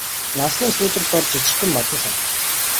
Нарсны сүүдэр дор жижигхэн модон сандал.